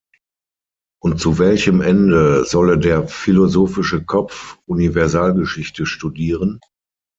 Und zu welchem Ende solle der philosophische Kopf Universalgeschichte studieren?